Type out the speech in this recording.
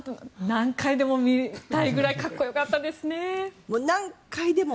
何回でも見たいくらいかっこよかったですね。